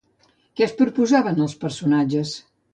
Què es proposaven els personatges?